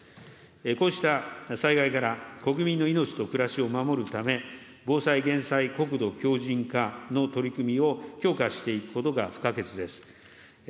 こうした災害から国民の命と暮らしを守るため、防災・減災、国土強じん化の取り組みを強化していくことが不可欠です。